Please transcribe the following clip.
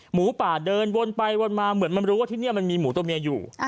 หมูป่าเดินวนไปวนมาเหมือนมันรู้ว่าที่นี่มันมีหมูตัวเมียอยู่